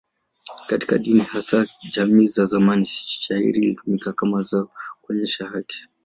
Katika dini, hasa jamii za zamani, shayiri ilitumika kama zao kuonyesha haki.